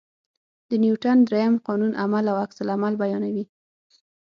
د نیوټن درېیم قانون عمل او عکس العمل بیانوي.